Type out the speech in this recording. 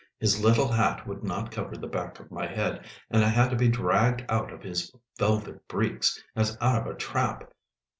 His little hat would not cover the back of my head, and I had to be dragged out of his velvet breeks as out of a trap.